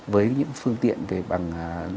với những phương tiện về bằng